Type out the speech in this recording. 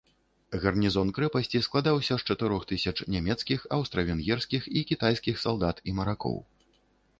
Гарнізон крэпасці складаўся з чатырох тысяч нямецкіх, аўстра-венгерскіх і кітайскіх салдат і маракоў.